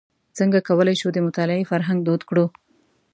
څنګه کولای شو د مطالعې فرهنګ دود کړو.